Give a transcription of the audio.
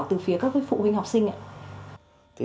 từ phía các phụ huynh học sinh ấy